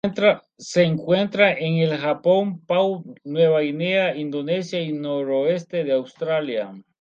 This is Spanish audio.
Se encuentra en el Japón, Papúa Nueva Guinea, Indonesia y noroeste de Australia.